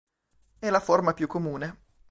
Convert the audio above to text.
È la forma più comune.